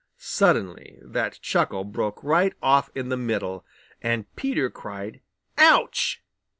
Suddenly that chuckle broke right off in the middle, and Peter cried "Ouch!"